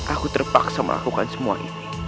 aku terpaksa melakukan semua ini